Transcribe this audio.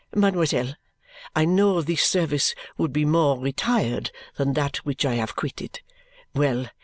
Mademoiselle, I know this service would be more retired than that which I have quitted. Well!